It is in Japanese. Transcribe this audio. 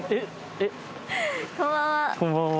こんばんは。